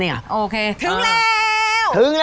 นี่ไงครับผมถึงแล้ว